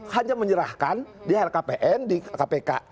hanya menyerahkan di lkpn di kpk